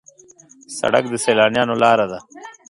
سړک د سیلانیانو لاره ده.